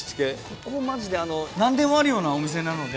ここマジでなんでもあるようなお店なので。